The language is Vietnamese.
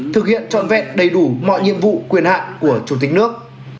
thực hiện trọn vẹn đầy đủ mọi nhiệm vụ quyền hạn của chủ tịch nước